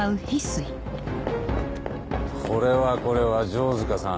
これはこれは城塚さん。